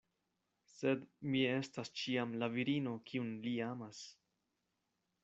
Sed mi estas ĉiam la virino, kiun li amas.